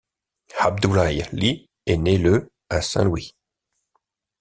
Abdoulaye Ly est né le à Saint-Louis.